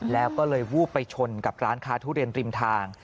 แล้วก็เลยวูบไปชนกับร้านค้าทุเรียนริมทาง